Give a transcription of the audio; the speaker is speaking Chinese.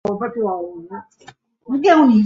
柳叶鳞花草为爵床科鳞花草属下的一个种。